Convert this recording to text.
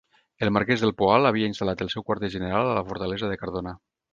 El marquès del Poal havia instal·lat el seu quarter general a la fortalesa de Cardona.